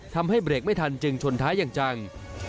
ทำให้เบรกไม่ทันจึงชนท้ายอย่างจัง